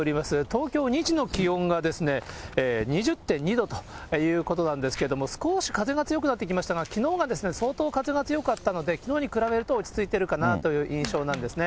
東京、２時の気温が２０．２度ということなんですけども、少し風が強くなってきましたが、きのうが相当風が強かったので、きのうに比べると、落ち着いているかなという印象なんですね。